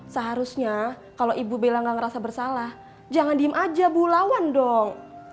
seharusnya kalau ibu bilang gak ngerasa bersalah jangan diem aja bu lawan dong